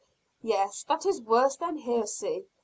"Yes, that is worse than heresy!